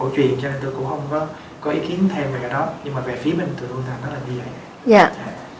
tụi tôi nói là như vậy